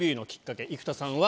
生田さんは。